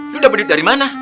lo udah berit dari mana